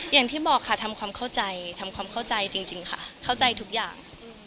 อย่างที่บอกค่ะทำความเข้าใจทำความเข้าใจจริงค่ะเข้าใจทุกอย่าง